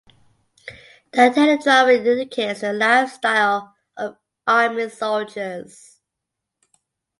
The teledrama indicates the lives style of army soldiers.